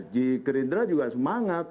di gerindra juga semangat